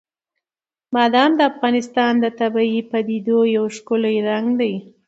بادام د افغانستان د طبیعي پدیدو یو ښکلی رنګ دی.